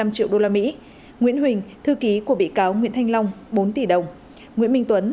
hai hai mươi năm triệu usd nguyễn huỳnh thư ký của bị cáo nguyễn thanh long bốn tỷ đồng nguyễn minh tuấn